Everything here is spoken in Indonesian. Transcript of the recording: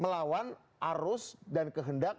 melawan arus dan kehendak